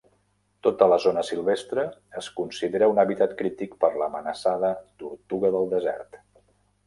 Tota la zona silvestre es considera un hàbitat crític per l'amenaçada Tortuga del Desert.